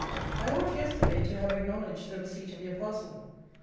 I ought yesterday to have acknowledged the receipt of your parcel.